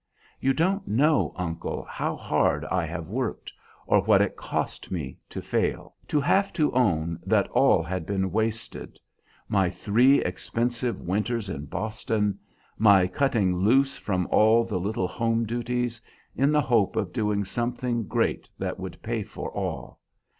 You don't know, uncle, how hard I have worked, or what it cost me to fail, to have to own that all had been wasted: my three expensive winters in Boston, my cutting loose from all the little home duties, in the hope of doing something great that would pay for all.